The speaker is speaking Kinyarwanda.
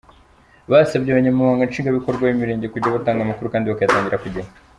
Basabye abanyamabanga nshingwabikorwa b’imerenge kujya batanga amakuru kandi bakayatangira ku gihe.